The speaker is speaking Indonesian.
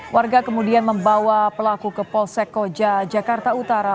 warga kemudian membawa pelaku ke polsek koja jakarta utara